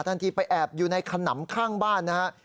ทันทีไปแอบอยู่ในขนำข้างบ้านนะครับ